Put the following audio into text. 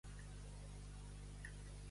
Enviar a fer el rent.